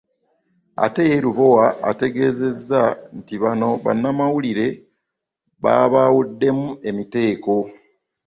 Ate ye Lubowa ategeezezza nti bano bannamawulire babaawuddemu emiteeko